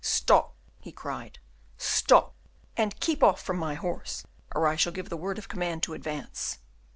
"Stop!" he cried, "stop, and keep off from my horse, or I shall give the word of command to advance."